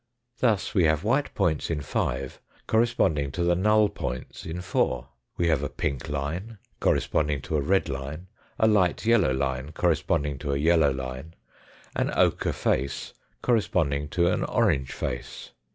Thus we have white points in 5 corresponding to the null points in 4. We have a pink line corresponding to a red line, a light yellow line corresponding to a yellow line, an ochre face corresponding to an orange face.